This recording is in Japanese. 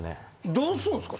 どうすんすか？